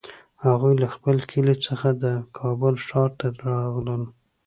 هغوی له خپل کلي څخه د کابل ښار ته راغلل